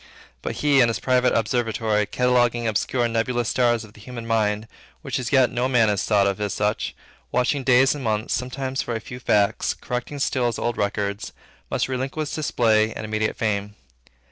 But he, in his private observatory, cataloguing obscure and nebulous stars of the human mind, which as yet no man has thought of as such, watching days and months, sometimes, for a few facts; correcting still his old records; must relinquish display and immediate fame.